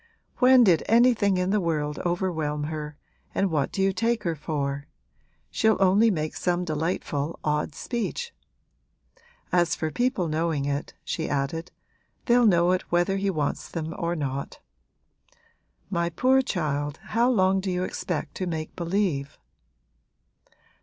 'When did anything in the world overwhelm her and what do you take her for? She'll only make some delightful odd speech. As for people knowing it,' she added, 'they'll know it whether he wants them or not. My poor child, how long do you expect to make believe?'